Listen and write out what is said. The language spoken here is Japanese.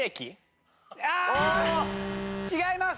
あ違います。